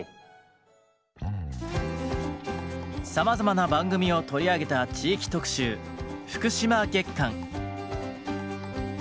さまざまな番組を取り上げた地域特集福島月間。